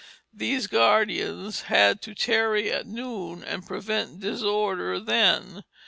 These guardians had to tarry at noon and "prevent disorder" then.